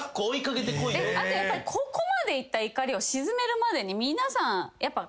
あとやっぱりここまでいった怒りを鎮めるまでに皆さんやっぱ。